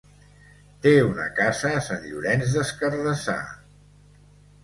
Té una casa a Sant Llorenç des Cardassar.